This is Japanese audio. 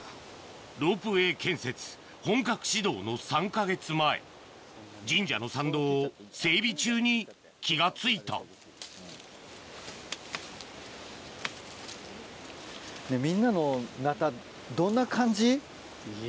ロープウエー建設本格始動の３か月前神社の参道を整備中に気が付いたいや。